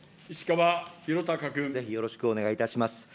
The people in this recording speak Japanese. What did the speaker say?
ぜひよろしくお願いいたします。